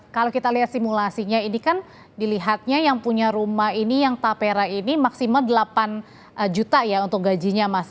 kalau kita lihat simulasinya ini kan dilihatnya yang punya rumah ini yang tapera ini maksimal delapan juta ya untuk gajinya mas